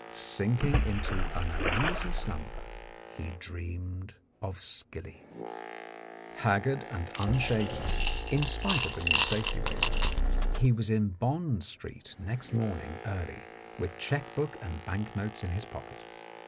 Sinking into an uneasy slumber, he dreamed of skilly. Haggard and unshaven (in spite of the new safety razor), he was in Bond Street next morning early, with cheque book and bank notes in his pocket.